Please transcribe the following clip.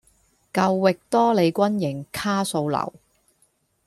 舊域多利軍營卡素樓